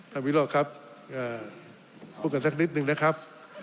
วิโรธครับพูดกันสักนิดนึงนะครับ